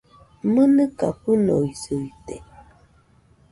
¡Mɨnɨka fɨnoisɨite!